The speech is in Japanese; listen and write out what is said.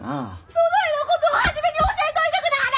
そないなこと初めに教えといてくなはれ！